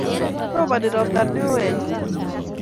Roponi ropta neo eng' sang'